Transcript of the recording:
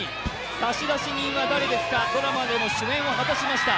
「差出人は、誰ですか？」のドラマでも主演を果たしました。